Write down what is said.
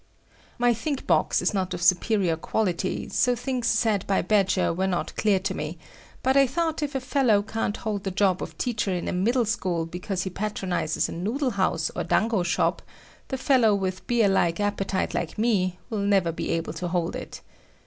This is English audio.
My "think box" is not of superior quality, so things said by Badger were not clear to me, but I thought if a fellow can't hold the job of teacher in a middle school because he patronizes a noodle house or dango shop, the fellow with bear like appetite like me will never be able to hold it.